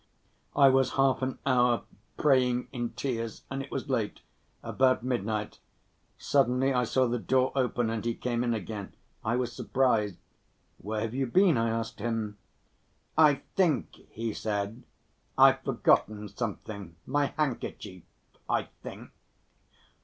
I was half an hour praying in tears, and it was late, about midnight. Suddenly I saw the door open and he came in again. I was surprised. "Where have you been?" I asked him. "I think," he said, "I've forgotten something ... my handkerchief, I think....